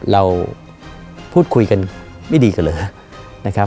เราพูดคุยกันไม่ดีกันเหรอนะครับ